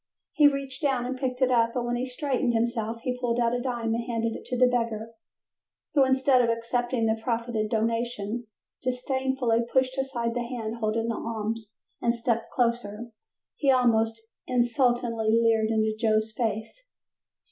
He reached down and picked it up, and when he straightened himself he pulled out a dime and handed it to the beggar, who, instead of accepting the proffered donation, disdainfully pushed aside the hand holding the alms and stepping closer he almost insultingly leered into Joe's face.